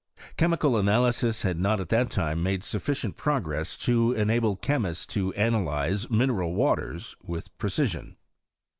Chemical analysis had not at that time made sufficient prog'ress to enable chemists to analyze mineral waters with precisioD.